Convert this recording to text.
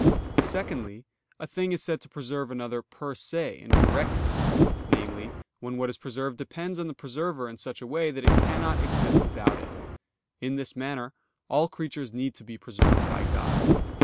Secondly, a thing is said to preserve another per se and directly, namely, when what is preserved depends on the preserver in such a way that it cannot exist without it. In this manner all creatures need to be preserved by God.